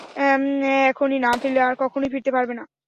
এখনই না ফিরলে, আর কখনোই ফিরতে পারবে না।